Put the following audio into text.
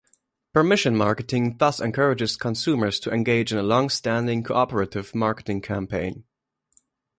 Permission marketing thus encourages consumers to engage in a long-standing, cooperative marketing campaign.